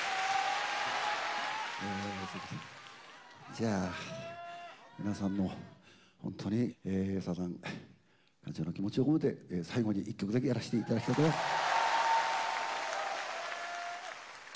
じゃあ皆さんもう本当にサザン気持ちを込めて最後に一曲だけやらしていただきたいと思います。